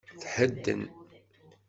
Thedden!